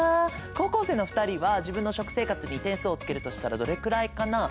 高校生の２人は自分の食生活に点数をつけるとしたらどれくらいかな？